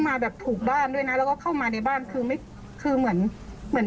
มาแบบถูกบ้านด้วยนะแล้วก็เข้ามาในบ้านคือไม่คือเหมือนเหมือน